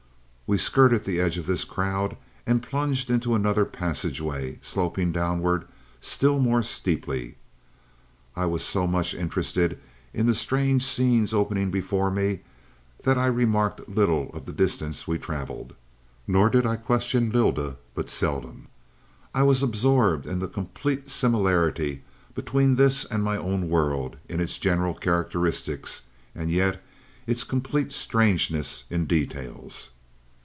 "We skirted the edge of this crowd and plunged into another passageway, sloping downward still more steeply. I was so much interested in the strange scenes opening before me that I remarked little of the distance we traveled. Nor did I question Lylda but seldom. I was absorbed in the complete similarity between this and my own world in its general characteristics, and yet its complete strangeness in details.